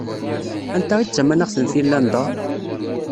Anta i d tamanaɣ n Finlanda?